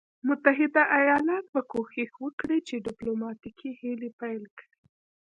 متحده ایالات به کوښښ وکړي چې ډیپلوماټیکي هلې پیل کړي.